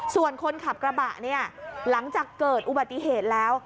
ส่วนคนขับกระบะเนี่ยหลังจากเกิดอุบัติเหตุแล้ว